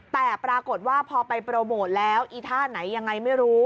แต่ปรากฏว่าพอไปโปรโมทแล้วอีท่าไหนยังไงไม่รู้